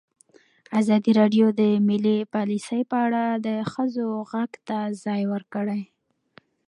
ازادي راډیو د مالي پالیسي په اړه د ښځو غږ ته ځای ورکړی.